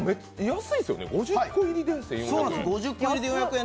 安いですよね、５０個入りで４００円？